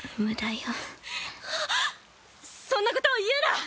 はっそんなことを言うな！